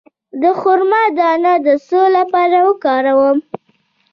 د خرما دانه د څه لپاره وکاروم؟